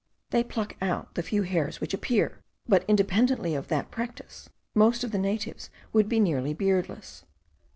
They pluck out the few hairs which appear; but independently of that practice, most of the natives would be nearly beardless.